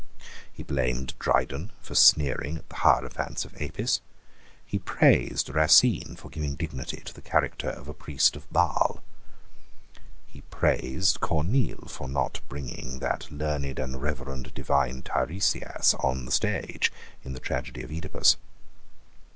He blamed Dryden for sneering at the Hierophants of Apis. He praised Racine for giving dignity to the character of a priest of Baal. He praised Corneille for not bringing that learned and reverend divine Tiresias on the stage in the tragedy of Oedipus.